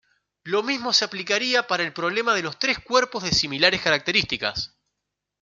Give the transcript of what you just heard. Lo mismo se aplicaría para el problema de los tres cuerpos de similares características.